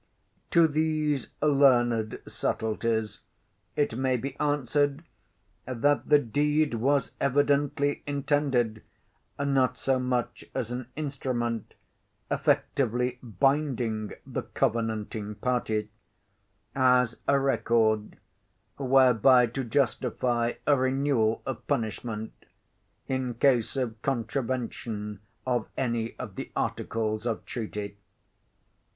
To these learned subtleties it may be answered, that the deed was evidently intended, not so much as an instrument effectively binding "the covenanting party," as a record whereby to justify a renewal of punishment, in case of contravention of any of the articles of treaty.